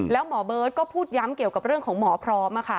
แล้วหมอเบิร์ตก็พูดย้ำเกี่ยวกับเรื่องของหมอพร้อม